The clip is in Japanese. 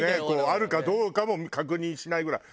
あるかどうかも確認しないぐらい。